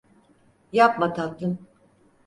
Yapma tatlım.